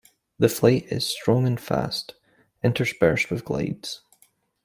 The flight is strong and fast, interspersed with glides.